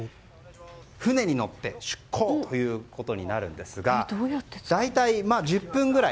船に乗って出航ということになるんですが大体、１０分ぐらい。